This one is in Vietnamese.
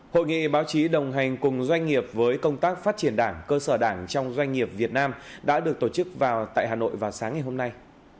hội nghị báo chí đồng hành cùng doanh nghiệp với công tác phát triển đảng cơ sở đảng trong doanh nghiệp việt nam đã được tổ chức vào tại hà nội vào sáng ngày hôm nay